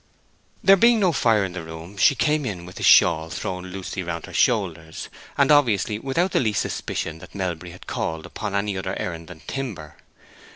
There being no fire in the room, she came in with a shawl thrown loosely round her shoulders, and obviously without the least suspicion that Melbury had called upon any other errand than timber.